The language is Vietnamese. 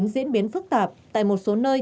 diễn biến phức tạp tại một số nơi